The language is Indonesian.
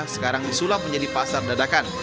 sekarang disulap menjadi pasar dadakan